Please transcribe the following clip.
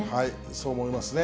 そう思いますね。